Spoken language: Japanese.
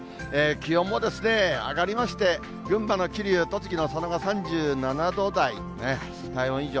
気温も上がりまして、群馬の桐生、栃木の佐野が３７度台、体温以上。